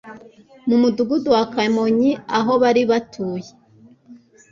mu mudugudu wa Kamonyi aho bari batuye.